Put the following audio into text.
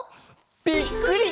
「びっくり！